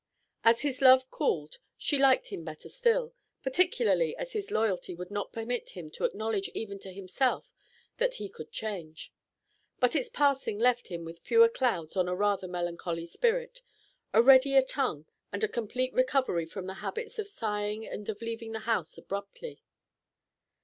As his love cooled she liked him better still, particularly as his loyalty would not permit him to acknowledge even to himself that he could change; but its passing left him with fewer clouds on a rather melancholy spirit, a readier tongue, and a complete recovery from the habits of sighing and of leaving the house abruptly.